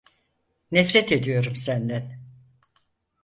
Nefret ediyorum senden!